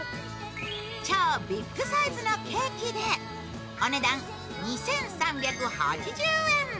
超ビッグサイズのケーキで、お値段２３８０円。